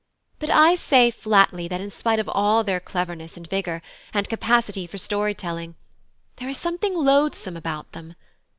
But I say flatly that in spite of all their cleverness and vigour, and capacity for story telling, there is something loathsome about them.